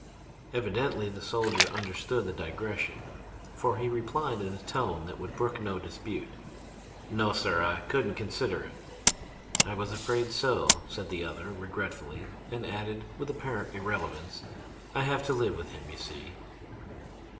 Evidently the soldier understood the digression, for he replied in a tone that would brook no dispute. "No, sir, I couldn't consider it." "I was afraid so," said the other regretfully, and added, with apparent irrelevance, "I have to live with him, you see."